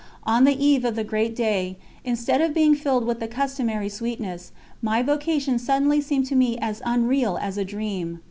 On the eve of the great day, instead of being filled with the customary sweetness, my vocation suddenly seemed to me as unreal as a dream.